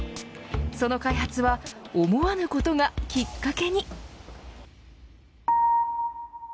その開発は思わぬことがきっかけに。